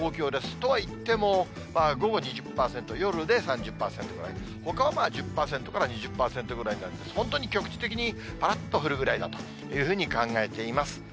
とはいっても、午後２０％、夜で３０％ぐらい、ほかは１０％から２０％ぐらいなので、本当に局地的にぱらっと降るぐらいだというふうに考えています。